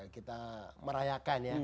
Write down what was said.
kita merayakan ya